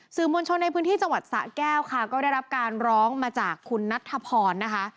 มวลชนในพื้นที่จังหวัดสะแก้วค่ะก็ได้รับการร้องมาจากคุณนัทธพรนะคะ